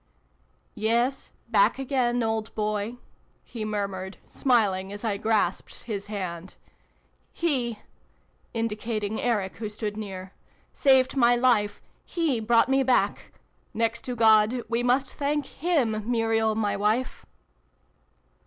" Yes, back again, old boy !" he murmured, smiling as I grasped his hand. " He" indica ting Eric, who stood near, "saved my life He brought me back. Next to God, we must thank him, Muriel, my wife